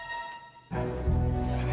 saya ingin mengambil alih dari diri saya